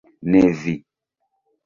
Ne vi!